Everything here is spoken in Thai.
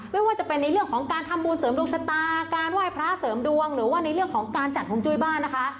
ไม่ว่าจะเป็นในเรื่องของการทำบุญเสริมดวงชะตาการไหว้พระเสริมดวงหรือว่าในเรื่องของการจัดฮวงจุ้ยบ้านนะคะ